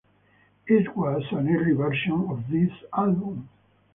It was an early version of this album.